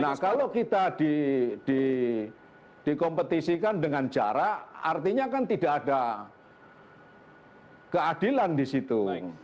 nah kalau kita dikompetisikan dengan jarak artinya kan tidak ada keadilan di situ